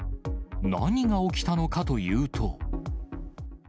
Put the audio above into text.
何が起きたのかというと。